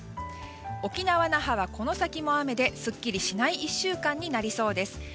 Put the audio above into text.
沖縄・那覇は、この先も雨ですっきりしない１週間になりそうです。